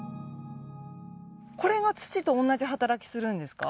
これが土と同じ働きするんですか？